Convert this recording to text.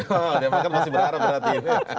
oh dia kan masih berharap berarti